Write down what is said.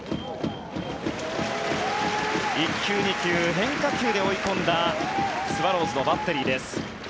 １球、２球、変化球で追い込んだスワローズのバッテリーです。